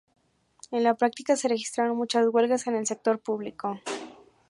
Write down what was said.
En la práctica se registraron muchas huelgas en el sector público.